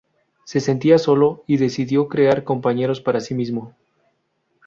Se sentía solo, y decidió crear compañeros para sí mismo.